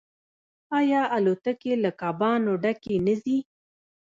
آیا الوتکې له کبانو ډکې نه ځي؟